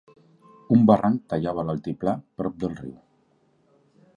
Un barranc tallava l'altiplà prop del riu.